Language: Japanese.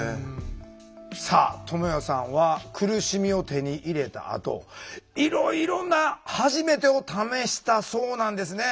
さあともやさんは苦しみを手に入れたあといろいろな「はじめて」を試したそうなんですね。